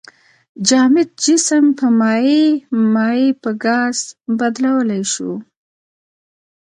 جامد جسم په مایع، مایع په ګاز بدلولی شو.